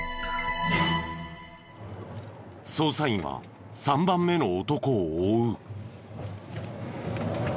捜査員は３番目の男を追う。